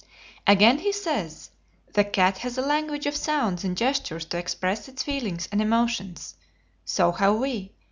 Again he says: "The cat has a language of sounds and gestures to express its feelings and emotions. So have we.